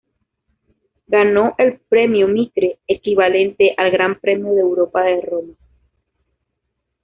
Ganó el "Premio Mitre" equivalente al Gran Premio de Europa de Roma.